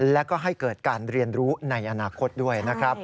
และก็ให้เกิดการเรียนรู้ในอนาคตด้วยนะครับ